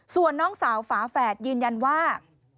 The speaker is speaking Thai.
ส่วนน้องสาวฝาแฝดยืนยันว่า